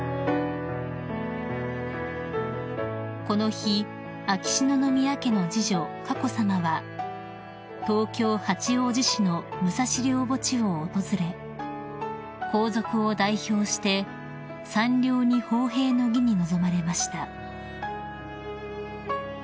［この日秋篠宮家の次女佳子さまは東京八王子市の武蔵陵墓地を訪れ皇族を代表して山陵に奉幣の儀に臨まれました］